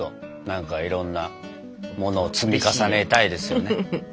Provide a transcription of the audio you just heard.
何かいろんなものを積み重ねたいですよね。